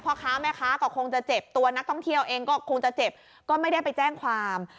พ่อค้าแม่ค้าก็คงจะเจ็บตัวนักท่องเที่ยวเองก็คงจะเจ็บก็ไม่ได้ไปแจ้งความ